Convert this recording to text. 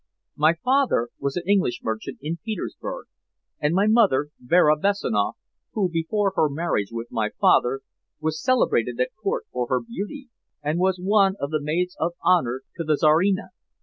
My father was an English merchant in Petersburg, and my mother, Vera Bessanoff, who, before her marriage with my father, was celebrated at Court for her beauty, and was one of the maids of honor to the Czarina.